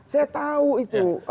saya tahu itu